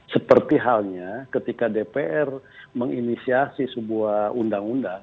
seperti halnya ketika dpr menginisiasi sebuah undang undang